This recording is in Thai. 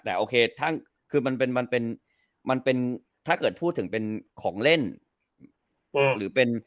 แต่โอเคถ้าเกิดพูดถึงเป็นของเล่น